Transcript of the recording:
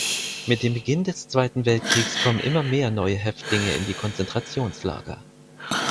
Mit dem Beginn des Zweiten Weltkriegs kommen immer mehr neue Häftlinge in die Konzentrationslager.